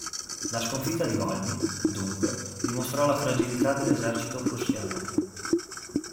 La sconfitta di Valmy, dunque, dimostrò la fragilità dell'esercito prussiano.